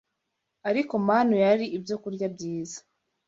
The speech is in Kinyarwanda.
Ariko manu yari ibyokurya byiza